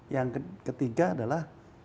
yang ketiga adalah